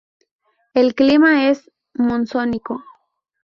El clima es monzónico.